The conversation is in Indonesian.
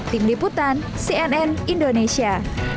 tim liputan cnn indonesia